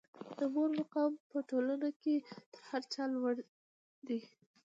د مور مقام په ټولنه کې تر هر چا لوړ دی.